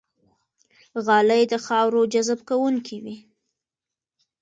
غالۍ د خاورو جذب کوونکې وي.